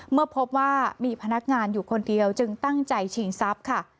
เมื่อพบว่ามีพนักงานอยู่คนเดียวจึงตั้งใจชิงทรัพย์ค่ะ